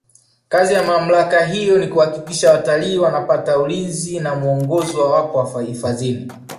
kazi ya mamlaka hiyo ni kuhakikisha watalii wanapata ulinzi na mwongozo wawapo hifadhini